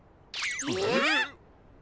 えっ！？